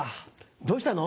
どうしたの？